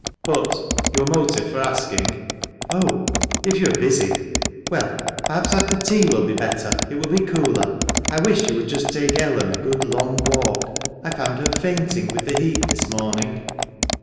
But — your motive for asking ?"" Oh, if you are busy Well, perhaps after tea will be better ; it will be cooler. I wish you would just take Ellen a good long walk ; I found her fainting with the heat this morning."